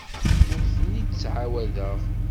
Ur ten-id-ttɛawadeɣ.